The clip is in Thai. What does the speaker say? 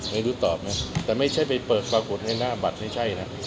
ไม่รู้ตอบนะแต่ไม่ใช่ไปเปิดปรากฏให้หน้าบัตรไม่ใช่นะ